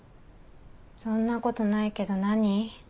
そんなことないけど何？